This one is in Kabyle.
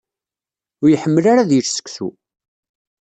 Ur iḥemmel ara ad yečč seksu.